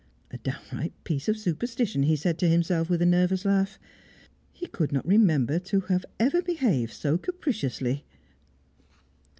A downright piece of superstition, he said to himself, with a nervous laugh. He could not remember to have ever behaved so capriciously.